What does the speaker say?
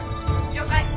「了解」。